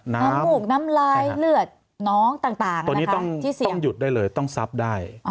น้ำหมูกน้ำไลน์เลื้อดน้องต่างต้องยุดได้เลยต้องซับได้